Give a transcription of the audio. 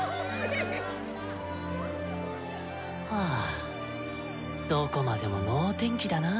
はぁどこまでも能天気だな。